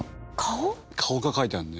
顔が描いてあるね。